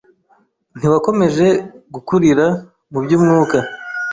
Ntiwakomeje gukurira mu by’umwuka,